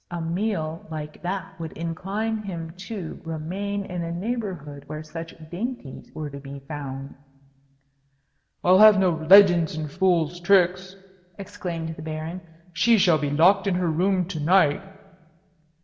A meal like that would incline him to remain in a neighbourhood where such dainties were to be found." "I'll have no legends and fool's tricks," exclaimed the Baron. "She shall be locked in her room to night."